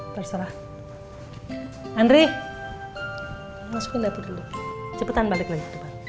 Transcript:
terserah andri masukin cepetan balik lagi